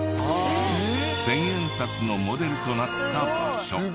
１０００円札のモデルとなった場所。